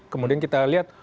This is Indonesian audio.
kemudian kita lihat